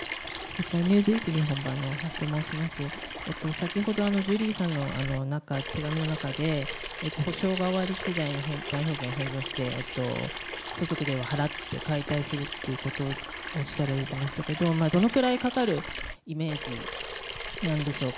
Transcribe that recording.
先ほどジュリーさんの手紙の中で補償が終わり次第代表権を返上して相続税を払って解体するということをおっしゃっていましたけどどのくらいかかるイメージなんでしょうか。